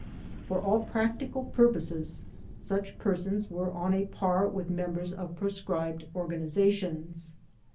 For all practical purposes such persons were on a par with members of proscribed organizations.